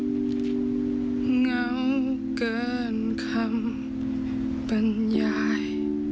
เหงาเกินคำบรรยาย